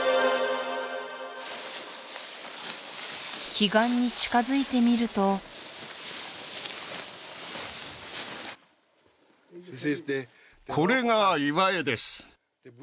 奇岩に近づいてみるとこれが岩絵です